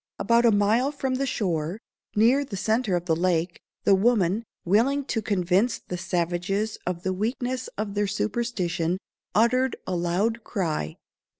About a mile from the shore, near the centre of the lake, the woman, willing to convince the savages of the weakness of their superstition, uttered a loud cry.